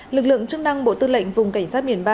lực lượng chức năng bộ tư lệnh vùng cảnh sát biển ba